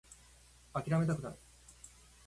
諦めたくない